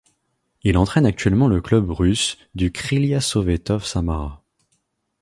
Il entraîne actuellement le club russe du Krylia Sovetov Samara.